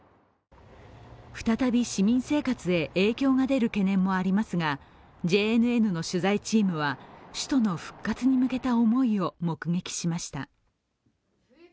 再び市民生活へ影響が出る懸念もありますが、ＪＮＮの取材チームは、首都の復活に向けた思いを目撃しました。